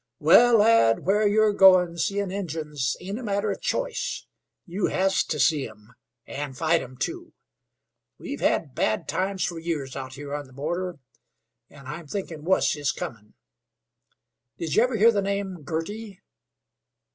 "Well, lad, where you're goin' seein' Injuns ain't a matter of choice. You has to see 'em, and fight 'em, too. We've had bad times for years out here on the border, and I'm thinkin' wuss is comin'. Did ye ever hear the name Girty?"